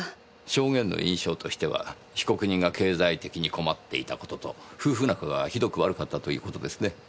証言の印象としては被告人が経済的に困っていた事と夫婦仲がひどく悪かったという事ですね。